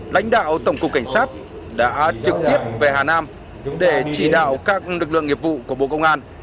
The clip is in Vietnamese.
lãnh đạo tổng cục cảnh sát đã trực tiếp về hà nam để chỉ đạo các lực lượng nghiệp vụ của bộ công an